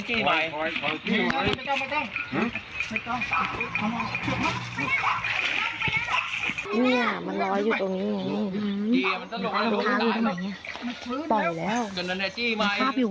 ปล่อยแล้วมันคราบอยู่ว่ะ